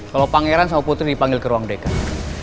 kalau pangeran sama putri dipanggil ke ruang dekat